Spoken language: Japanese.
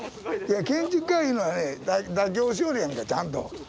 いや建築家いうのはね妥協しよるやんかちゃんと。